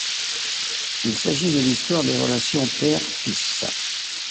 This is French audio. Il s'agit de l'histoire de relations père-fils.